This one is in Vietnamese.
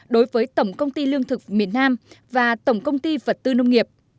đối với tổng công ty lương thực miền nam và tổng công ty vật tư nông nghiệp